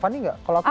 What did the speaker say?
aku gak terlalu suka